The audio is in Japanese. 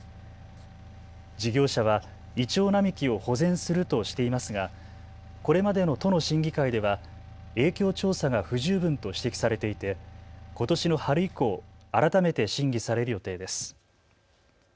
事業者はイチョウ並木を保全するとしていますがこれまでの都の審議会では影響調査が不十分と指摘されていてことしの春以降、改めて審議される予定です。